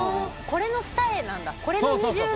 これの二重なんですね。